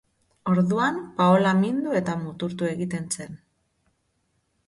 Orduan Paola mindu eta muturtu egiten zen.